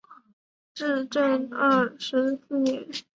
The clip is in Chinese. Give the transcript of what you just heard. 至正二十四年。